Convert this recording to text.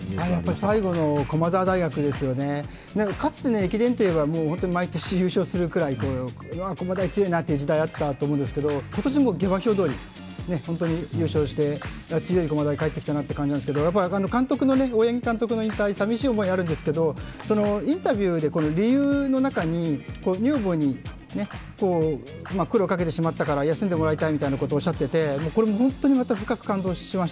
最後の駒澤大学ですよね、かつて駅伝といえば毎年優勝するくらい、駒大強いなという時代があったと思うんですが今年も下馬評どおり本当に優勝して強い駒大が帰ってきたなという感じなんですけど、大八木監督の引退、寂しい思いはあるんですけどインタビューで理由の中に女房に苦労をかけてしまったから休んでもらいたいみたいなことをおっしゃっていてこれも本当に深く感動しました。